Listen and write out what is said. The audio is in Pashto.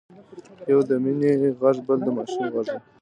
يو د مينې غږ بل د ماشوم غږ و.